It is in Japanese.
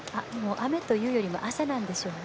雨というよりも汗なんでしょうね。